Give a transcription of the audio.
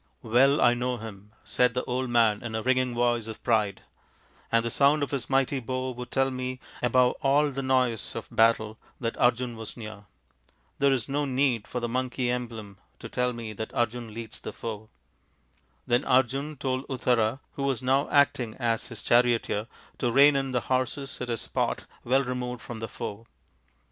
" Well I know him/' said the old man in a ringing voice of pride, " and the sound of his mighty bow would tell me above all the noise of battle that Arjun was near. There is no need for the monkey emblem to tell me that Arjun leads the foe." Then Arjun told Uttara, who was now acting as his charioteer, to rein in the horses at a spot well removed from the foe.